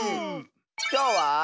きょうは。